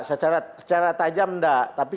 secara tajam enggak tapi